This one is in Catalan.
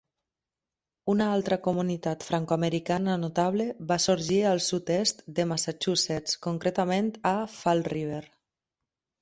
Una altra comunitat francoamericana notable va sorgir al sud-est de Massachusetts, concretament a Fall River.